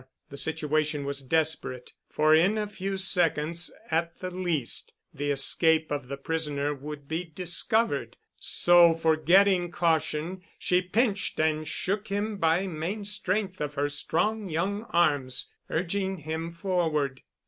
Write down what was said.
The situation was desperate, for in a few seconds at the least, the escape of the prisoner would be discovered, so forgetting caution, she pinched and shook him, by main strength of her strong young arms, urging him forward.